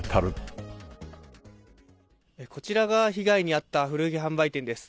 こちらが被害に遭った古着販売店です。